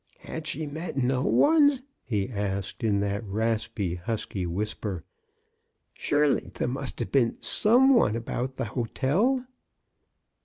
"Had she met no one? " he asked, in that raspy, husky whisper. "Surely there must have been some one about the hotel